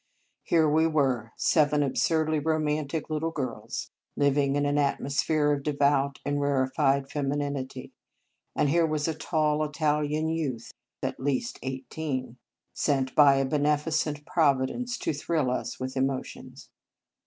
Here we were, seven absurdly romantic little girls, living in an atmosphere of devout and rari fied femininity j and here was a tall Italian youth, at least eighteen, sent by a beneficent Providence to thrill us with emotions.